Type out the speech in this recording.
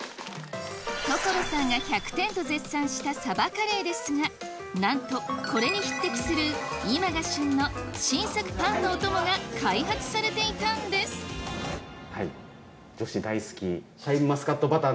所さんが１００点と絶賛したさばカレーですがなんとこれに匹敵する今が旬の新作パンのお供が開発されていたんですシャインマスカットバター。